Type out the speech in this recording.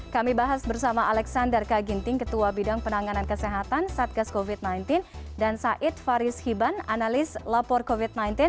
kami bahas bersama alexander kaginting ketua bidang penanganan kesehatan satgas covid sembilan belas dan said faris hiban analis lapor covid sembilan belas